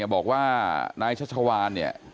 บอกว่านายชัชวาน